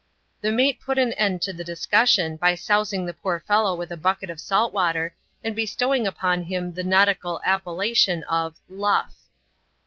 The mate put an end to the discussion hj sousing the poor fellow with a bucket of salt water, and be stowing upon him the nautical appellation of '* Luff."